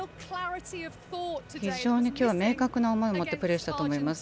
非常に明確な思いを持ってプレーしたと思います。